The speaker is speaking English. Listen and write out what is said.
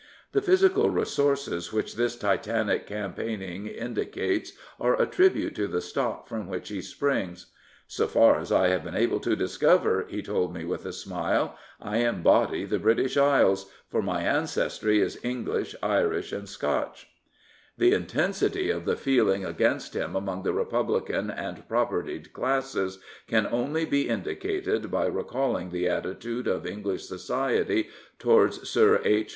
The physical resources which this Titanic campaign ing indicates are a tribute to the stock from which he springs. " So far as I have been able to discover," he told me with a smile, " I embody the British Isles, for my ancestry is English, Irish, and Scotch," 304 William Jennings Bryan The intensity of the feeling against him among the Republican and propertied classes can only be in dicated by recalling the attitude of English society towards Sir H.